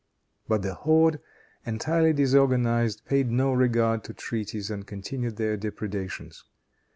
But the horde, entirely disorganized, paid no regard to treaties and continued their depredations.